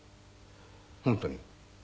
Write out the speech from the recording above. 本当に。